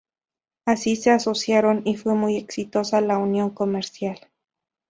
Así se asociaron y fue muy exitosa la unión comercial.